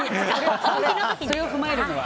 それを踏まえるのは。